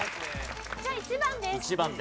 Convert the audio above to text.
じゃあ１番です。